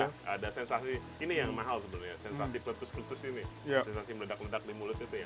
ada sensasi ini yang mahal sebenarnya